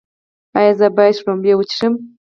ایا زه باید شړومبې وڅښم؟